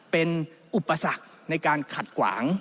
เป็นอุปสรรคในการขัดขวาง